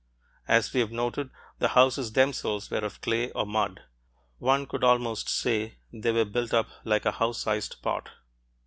As we've noted, the houses themselves were of clay or mud; one could almost say they were built up like a house sized pot.